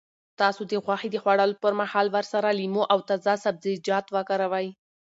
تاسو د غوښې د خوړلو پر مهال ورسره لیمو او تازه سبزیجات وکاروئ.